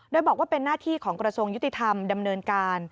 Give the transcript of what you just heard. โดยบอกว่าเป็นหน้าที่ของกระทรวงยุติธรรมดำเนินการ